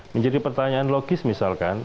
menjadi pertanyaan logis misalkan